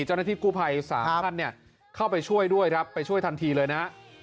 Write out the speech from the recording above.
เจ้าหน้าทีศกูภัย๓ชั้นเข้าไปช่วยด้วยไปช่วยทันทีเลยนะ